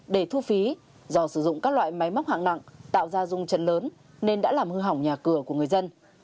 để thu phí do sử dụng các loại máy móc hạng nặng tạo ra rung trần lớn nên đã làm hư hỏng nhà cửa của người dân